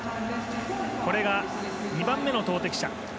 これが、２番目の投てき者。